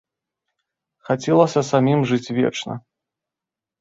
Хацелася самім жыць вечна.